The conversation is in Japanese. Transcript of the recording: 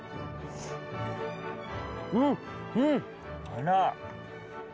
あら。